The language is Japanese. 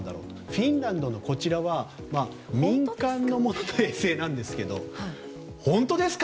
フィンランドのこちらは民間の衛星なんですが本当ですか？